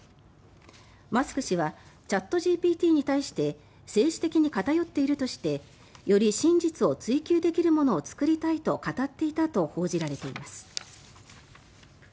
マスク氏はチャットＧＰＴに対して政治的に偏っているとしてより真実を追求できるものを作りたいと語っていたと報じられています。